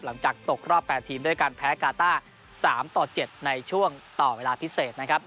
หลังจากตกรอบ๘ทีมด้วยการแพ้กาต้า๓ต่อ๗ในช่วงต่อเวลาพิเศษนะครับ